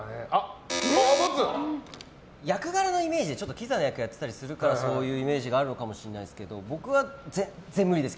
役柄のイメージでキザな役やってたりするからそういうイメージがあるのかもしれないですけど僕は全然、無理です。